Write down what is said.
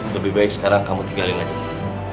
lebih baik sekarang kamu tinggalin aja di sini